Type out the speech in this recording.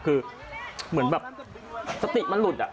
คือเหมือนแบบสติมันหลุด